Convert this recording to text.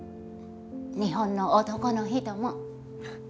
日本の男の人も。